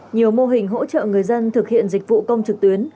nhiều mô hình hỗ trợ người dân thực hiện dịch vụ công trực tuyến